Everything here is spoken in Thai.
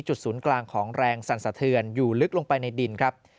จุดศูนย์กลางของแรงสรรสะเทือนอยู่ลึกลงไปในดิน